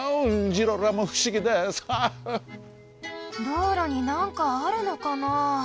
道路になんかあるのかな？